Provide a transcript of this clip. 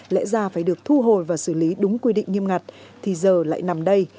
lẽ ra phải được thu hồi và xử lý đúng quy định nghiêm ngặt thì giờ lại nằm đây